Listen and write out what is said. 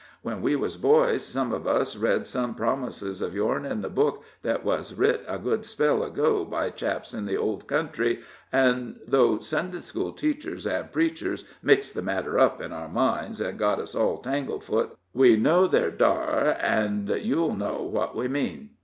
When we wuz boys, sum uv us read some promises ef you'rn in thet Book thet wes writ a good spell ago by chaps in the Old Country, an' though Sunday school teachers and preachers mixed the matter up in our minds, an' got us all tangle footed, we know they're dar, an' you'll know what we mean.